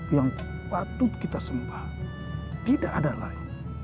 yang patut kita sempat tidak ada lain